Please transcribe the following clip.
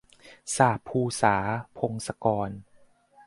สาปภูษา - พงศกร